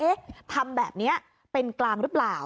ทำแบบนี้เป็นกลางหรือเปล่า